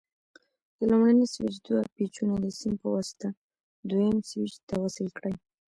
د لومړني سویچ دوه پېچونه د سیم په واسطه دویم سویچ ته وصل کړئ.